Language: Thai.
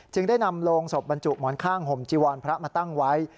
ได้นำโรงศพบรรจุหมอนข้างห่มจีวรพระมาตั้งไว้